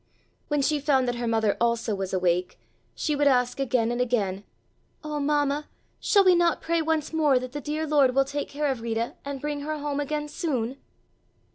When she found that her mother also was awake, she would ask again and again: "Oh, Mamma, shall we not pray once more that the dear Lord will take care of Rita and bring her home again soon?"